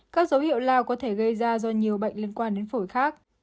các dấu hiệu lao có thể gây ra do nhiều bệnh liên quan đến phổi khác